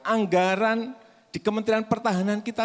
anggaran di kementerian pertahanan kita